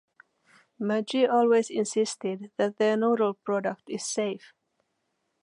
Maggi always insisted that their noodle product is safe.